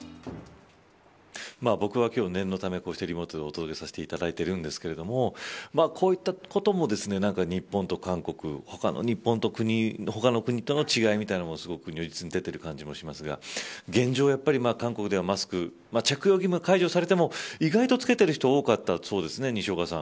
僕は今日、念のためリモートでお届けさせていただいてるんですけれどもこういったことも日本と韓国日本と他の国との違いみたいなものも、すごく如実に出ている感じもしますが現状、やっぱり韓国ではマスク着用義務は解除されても意外と着けてる人が多かったそうですね。